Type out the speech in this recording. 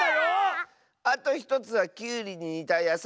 あと１つはきゅうりににたやさいだね。